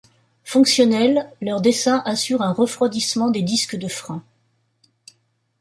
Fonctionnel, leur dessin assure un refroidissement des disques de frein.